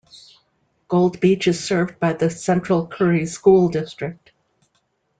Gold Beach is served by the Central Curry School District.